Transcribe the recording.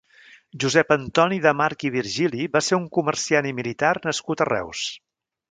Josep Antoni de March i Virgili va ser un comerciant i militar nascut a Reus.